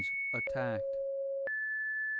Attacked? 3.